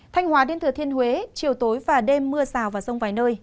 thành hòa đến thừa thiên huế chiều tối và đêm mưa rào và rông vài nơi